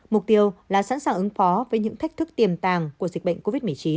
mục tiêu là sẵn sàng ứng phó với những thách thức tiềm tàng của dịch bệnh covid một mươi chín